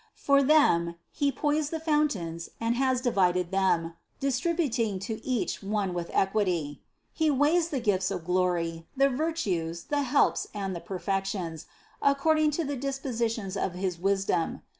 For them He poised the fountains and has di vided them, distributing to each one with equity. He weighs the gifts of glory, the virtues, the helps, and the perfections, according to the dispositions of his Wisdom.